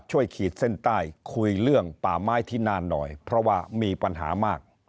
ขีดเส้นใต้คุยเรื่องป่าไม้ที่น่านหน่อยเพราะว่ามีปัญหามาก